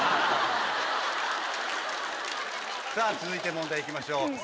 続いて問題行きましょう。